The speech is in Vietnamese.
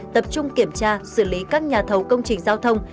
tập trung kiểm tra xử lý các nhà thầu công trình giao thông